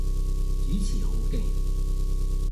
主持好勁